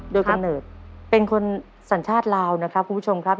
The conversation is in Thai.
โดยกำเนิดเป็นคนสัญชาติลาวนะครับคุณผู้ชมครับ